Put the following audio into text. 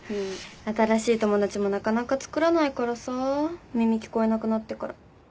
新しい友達もなかなかつくらないからさ耳聞こえなくなってから。